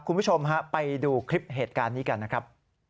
คุณผู้ชมฮะไปดูคลิปเหตุการณ์นี้กันนะครับ